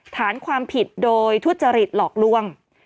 ฐานความผิดโดยทุจริตหลอกล่วง